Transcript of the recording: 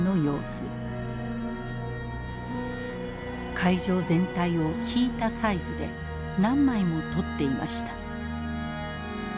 会場全体を引いたサイズで何枚も撮っていました。